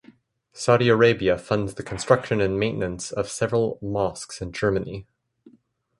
Saudi Arabia funds the construction and maintenance of several mosques in Germany.